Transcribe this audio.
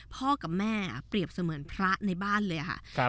พ่อกับแม่เปรียบเสมือนพระในบ้านเลยค่ะ